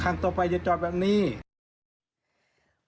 ครั้งต่อไปจะจอดแบบมันยิ่ง